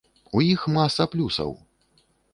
У іх маса плюсаў.